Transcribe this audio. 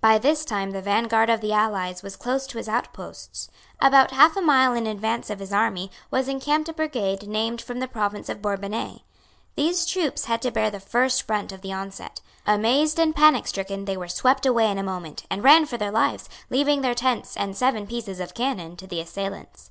By this time the vanguard of the allies was close to his outposts. About half a mile in advance of his army was encamped a brigade named from the province of Bourbonnais. These troops had to bear the first brunt of the onset. Amazed and panicstricken, they were swept away in a moment, and ran for their lives, leaving their tents and seven pieces of cannon to the assailants.